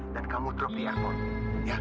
dan kamu drop di airpond